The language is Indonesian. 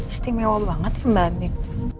istimewa banget ya mbak ani